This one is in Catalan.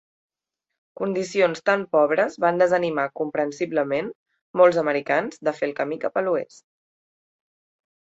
Condicions tan pobres van desanimar comprensiblement molts americans de fer el camí cap a l'oest.